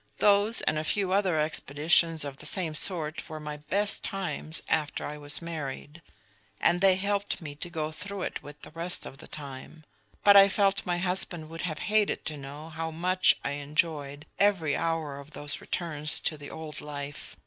Those and a few other expeditions of the same sort were my best times after I was married, and they helped me to go through with it the rest of the time. But I felt my husband would have hated to know how much I enjoyed every hour of those returns to the old life.